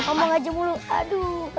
ngomong aja mulu aduh